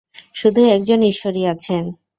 শুধু একজন ঈশ্বরই আছেন!